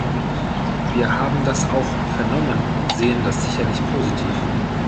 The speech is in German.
Wir haben das auch vernommen und sehen das sicherlich positiv.